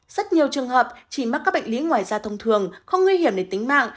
rất nhiều trường hợp chỉ mắc các bệnh lý ngoài da thông thường không nguy hiểm đến tính mạng